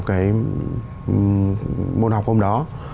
cái môn học hôm đó